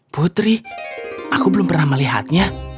putri aku belum pernah melihatnya